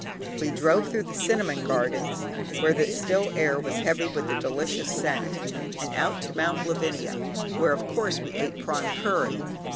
We drove through the Cinnamon gardens, where the still air was heavy with the delicious scent, and out to Mount Lavinia, where, of course, we ate prawn curry.